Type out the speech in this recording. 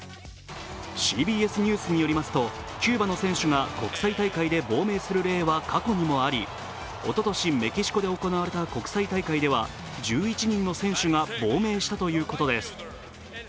ＣＢＳニュースによりますとキューバの選手が国際大会で亡命する例は過去にもあり、おととしメキシコで行われた国際大会では１１人の選手が亡命したということです。